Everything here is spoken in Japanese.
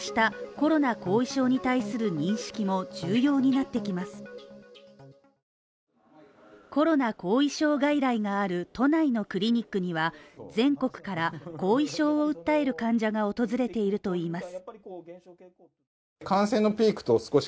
コロナ後遺障外来がある都内のクリニックには全国から後遺症を訴える患者が訪れているといいます。